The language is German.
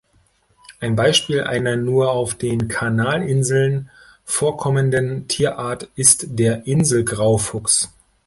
Ein Beispiel einer nur auf den Kanalinseln vorkommenden Tierart ist der Insel-Graufuchs.